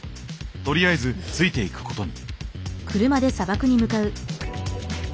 とりあえずついていくことに。